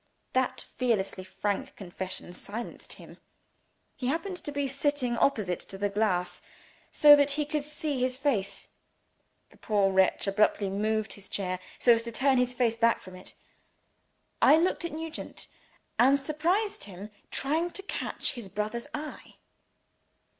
That fearlessly frank confession silenced him. He happened to be sitting opposite to the glass, so that he could see his face. The poor wretch abruptly moved his chair, so as to turn his back on it. I looked at Nugent, and surprised him trying to catch his brother's eye.